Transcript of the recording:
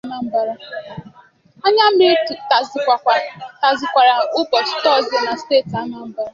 anyammiri tàsịsịkwàrà ụbọchị Tuzdee na steeti Anambra